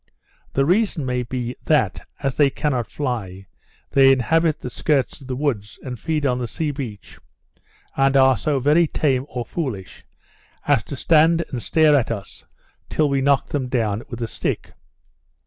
The reason may be, that, as they cannot fly, they inhabit the skirts of the woods, and feed on the sea beach, and are so very tame or foolish, as to stand and stare at us till we knocked them down with a stick.